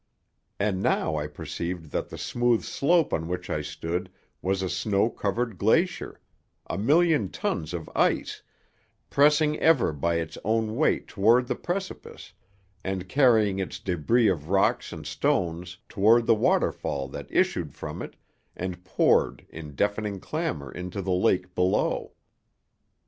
And now I perceived that the smooth slope on which I stood was a snow covered glacier, a million tons of ice, pressing ever by its own weight toward the precipice, and carrying its débris of rocks and stones toward the waterfall that issued from it and poured in deafening clamour into the lake below.